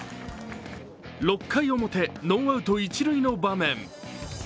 ６回表ノーアウト一塁の場面。